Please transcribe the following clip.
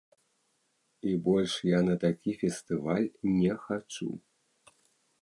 І больш я на такі фестываль не хачу.